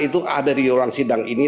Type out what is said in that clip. itu ada di ruang sidang ini